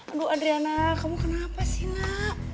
aduh adriana kamu kenapa sih nak